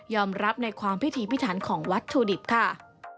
รับในความพิธีพิถันของวัตถุดิบค่ะ